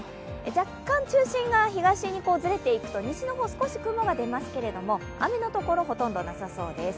若干中心が東にずれていくと西の方、少し雲が出ますけれども雨のところはほとんどなさそうです。